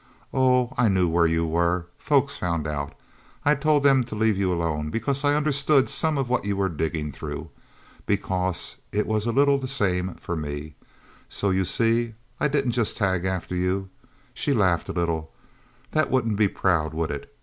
Oh, I knew where you were folks found out. I told them to leave you alone, because I understood some of what you were digging through. Because it was a little the same for me... So, you see, I didn't just tag after you." She laughed a little. "That wouldn't be proud, would it?